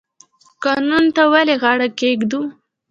قانون ته ولې غاړه کیږدو؟